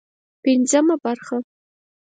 پنځمه برخه